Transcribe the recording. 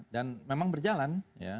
dan memang berjalan